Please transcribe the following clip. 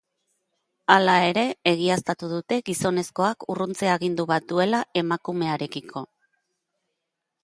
Hala ere, egiaztatu dute gizonezkoak urruntze-agindu bat duela emakumearekiko.